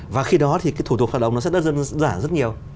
và khi đó thì cái thủ thuộc hợp đồng nó sẽ đơn giản rất nhiều